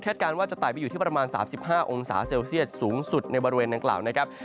การว่าจะไต่ไปอยู่ที่ประมาณ๓๕องศาเซลเซียตสูงสุดในบริเวณดังกล่าวนะครับ